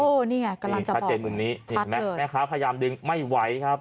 โอ้นี่ไงกำลังจะบอกชัดเจนตรงนี้แม่ค้าพยายามดึงไม่ไหวครับ